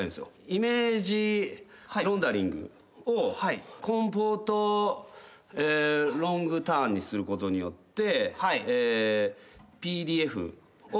イメージロンダリングをコンポートえーロングターンにすることによってＰＤＦを。